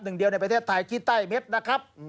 หนึ่งเดียวในประเทศไทยขี้ไต้เม็ดนะครับ